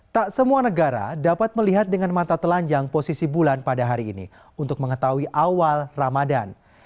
tak semua negara dapat melihat dengan mata telanjang posisi bulan pada hari ini untuk mengetahui awal ramadan